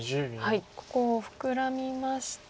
ここをフクラみまして。